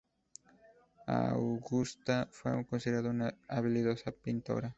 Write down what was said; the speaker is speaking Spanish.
Augusta fue considerada una habilidosa pintora.